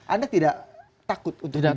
anda tidak takut untuk itu